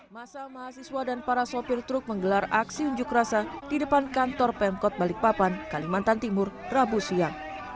masa mahasiswa dan para sopir truk menggelar aksi unjuk rasa di depan kantor pemkot balikpapan kalimantan timur rabu siang